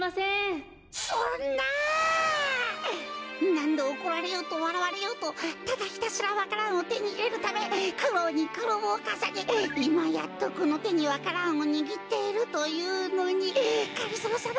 なんどおこられようとわらわれようとただひたすらわか蘭をてにいれるためくろうにくろうをかさねいまやっとこのてにわか蘭をにぎっているというのにがりぞーさまにそれをはかいしろというのか！